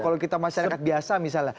kalau kita masyarakat biasa misalnya